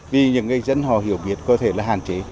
vì những người dân họ hiểu biết có thể là hạn chế